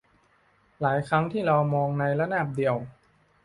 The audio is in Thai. หลายครั้งที่เรามองในระนาบเดียว